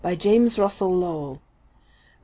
James Russell Lowell 805.